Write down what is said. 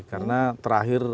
karena terakhir audit